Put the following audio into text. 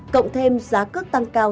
cộng thêm giá cước tăng cao